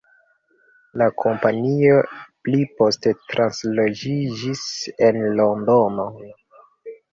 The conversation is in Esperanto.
La kompanio pli poste transloĝiĝis en Londonon.